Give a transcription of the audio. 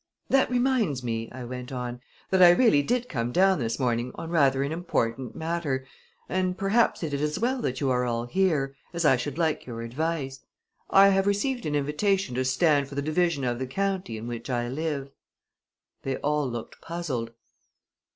That reminds me," I went on, "that I really did come down this morning on rather an important matter, and perhaps it is as well that you are all here, as I should like your advice. I have received an invitation to stand for the division of the county in which I live." They all looked puzzled.